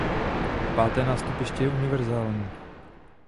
Páté nástupiště je univerzální.